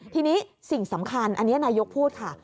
ทีนี้สิ่งสำคัญอันนี้นายกพูดค่ะ